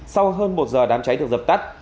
sau hơn một giờ đám cháy được dập tắt